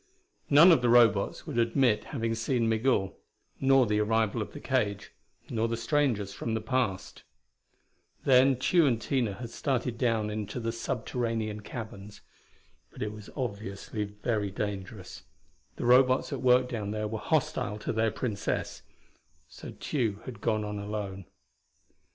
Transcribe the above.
None of the Robots would admit having seen Migul; nor the arrival of the cage; nor the strangers from the past. Then Tugh and Tina had started down into the subterranean caverns. But it was obviously very dangerous; the Robots at work down there were hostile to their Princess; so Tugh had gone on alone.